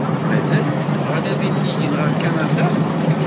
Mazal bɣan ad inigen ɣer Kanada?